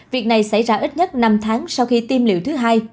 việc này xảy ra ít nhất năm tháng sau khi tiêm liệu thứ hai